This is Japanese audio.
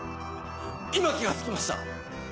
今気が付きました。